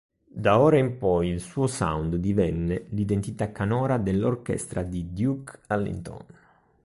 Da ora in poi il suo sound divenne l'identità canora dell'orchestra di Duke Ellington.